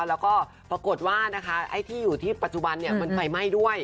แล้วก็ปรากฏว่านะคะไอ้ที่อยู่ที่ปัจจุบันมันไฟไหม้ด้วย